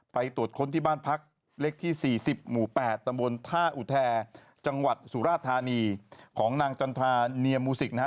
ตรวจค้นที่บ้านพักเล็กที่๔๐หมู่๘ตำบลท่าอุแทจังหวัดสุราธานีของนางจันทราเนียมูสิกนะฮะ